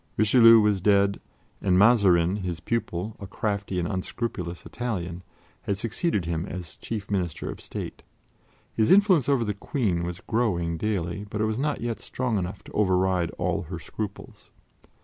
Richelieu was dead, and Mazarin, his pupil, a crafty and unscrupulous Italian, had succeeded him as chief Minister of State. His influence over the Queen was growing daily, but it was not yet strong enough to override all her scruples.